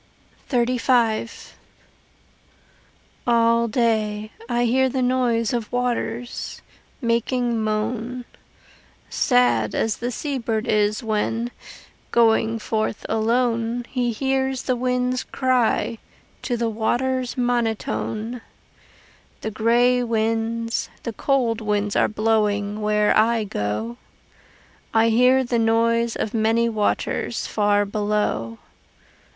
XXXV All day I hear the noise of waters Making moan, Sad as the sea bird is when, going Forth alone, He hears the winds cry to the water's Monotone. The grey winds, the cold winds are blowing Where I go. I hear the noise of many waters Far below.